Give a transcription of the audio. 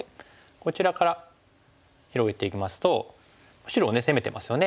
こちらから広げていきますと白をね攻めてますよね。